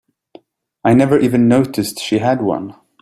I never even noticed she had one.